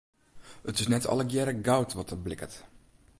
It is net allegearre goud wat der blikkert.